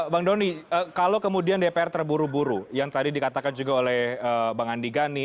bang doni kalau kemudian dpr terburu buru yang tadi dikatakan juga oleh bang andi gani